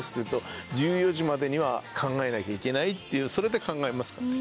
１４時までには考えなきゃいけないっていうそれで考えますかね。